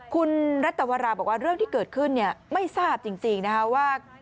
คุณรัตวราบอกว่าเรื่องที่เกิดขึ้นไม่ทราบจริงนะคะว่า